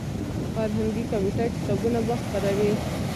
فرهنګي کمیټه کتابونه به خپروي.